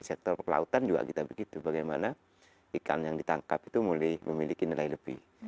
sektor pelautan juga kita begitu bagaimana ikan yang ditangkap itu mulai memiliki nilai lebih